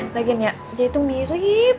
lagian ya dia tuh mirip